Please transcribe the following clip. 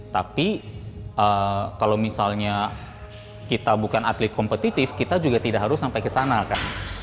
tapi kalau misalnya kita bukan atlet kompetitif kita juga tidak harus sampai ke sana kan